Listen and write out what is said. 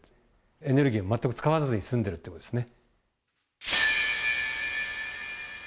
エネルギーが全く使わずに済んでいるということですね。